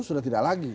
sudah tidak lagi